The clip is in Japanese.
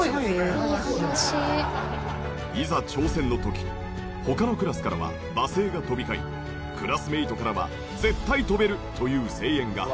いざ挑戦の時他のクラスからは罵声が飛び交いクラスメイトからは「絶対跳べる！」という声援が。